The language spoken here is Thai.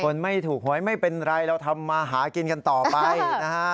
ไม่ถูกหวยไม่เป็นไรเราทำมาหากินกันต่อไปนะฮะ